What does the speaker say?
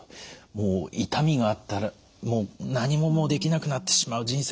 もう痛みがあったら何ももうできなくなってしまう人生終わってしまう。